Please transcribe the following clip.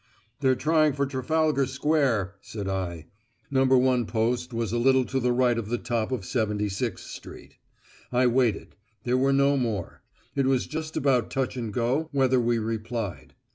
"They're trying for Trafalgar Square," said I. No. 1 post was a little to the right of the top of 76 Street. I waited. There were no more. It was just about touch and go whether we replied.